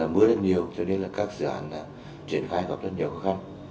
mưa rất nhiều cho nên là các dự án triển khai gặp rất nhiều khó khăn